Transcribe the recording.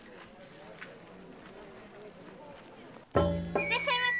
いらっしゃいませ。